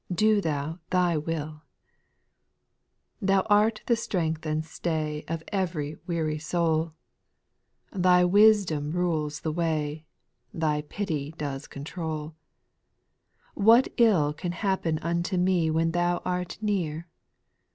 Do Thou Thy will ! 7. Thou art the strength and stay Of ev'ry weary soul ; I »/ SPIRITUAL SONGS, 2»8 Thy wisdom rnles the way ; Thy pity does control. Wliat ill can happen unto me When thou art near